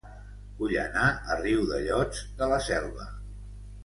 Vull anar a Riudellots de la Selva